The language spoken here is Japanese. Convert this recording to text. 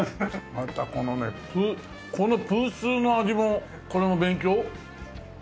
またこのねこのプースーの味もこれも勉強？